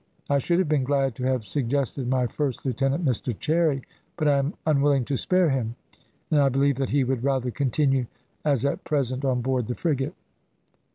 "I should have been glad to have suggested my first lieutenant, Mr Cherry, but I am unwilling to spare him, and I believe that he would rather continue as at present on board the frigate."